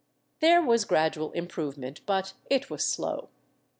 ^ There was gradual improvement, but it was slow.